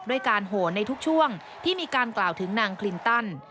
ด้วยการโหนในทุกช่วงที่มีการกล่าวถึงนางคลินตัน